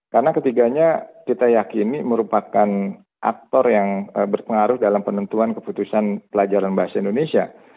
karena ketiganya kita yakini merupakan aktor yang berpengaruh dalam penentuan keputusan pelajaran bahasa indonesia